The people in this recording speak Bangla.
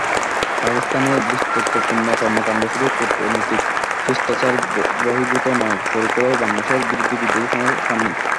পাকিস্তানের ধৃষ্টতাপূর্ণ কর্মকাণ্ড শুধু কূটনৈতিক শিষ্টাচারবহির্ভূত নয়, পরোক্ষভাবে বাংলাদেশের বিরুদ্ধে যুদ্ধ ঘোষণার শামিল।